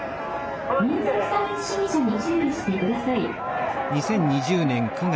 民族差別主義者に注意して下さい」。